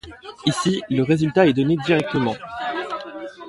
Ici, le résultat est donné directement.